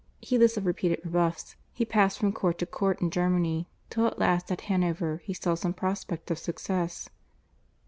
Heedless of repeated rebuffs, he passed from court to court in Germany till at last at Hanover he saw some prospect of success.